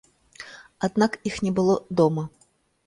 Аднак іх не было дома.